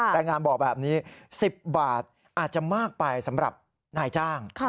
แรงงานบอกแบบนี้๑๐บาทอาจจะมากไปสำหรับนายจ้าง